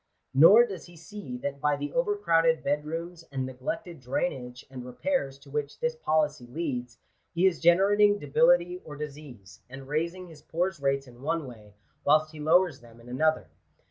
Nor does he see that by the overcrowded bed rooms and neglected drainage and repairs to which this policy leads, he is generating debility or disease, and raising his poors rates in one way, whilst he lowers them in another.